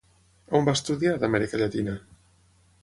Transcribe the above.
On va estudiar, d'Amèrica Llatina?